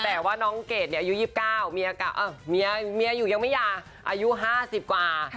แต่ว่าน้องเกดอายุ๒๙เมียอยู่ยังไม่ยาอายุ๕๐กว่า